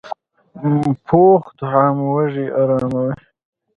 پوخ طعام وږې اراموي